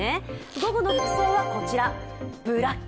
午後の服装はブラック。